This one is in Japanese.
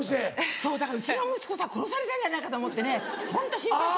そうだからうちの息子さ殺されちゃうんじゃないかと思ってねホント心配して。